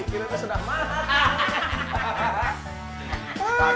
kirimnya sudah matang